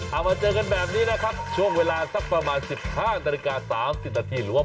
เอามาเจอกันแบบนี้ช่วงเวลาสักประมาณ๑๕นาฬิกา๓๐นาทีหรือว่า๑๗๓๐มาเจอกันแบบนี้นะครับ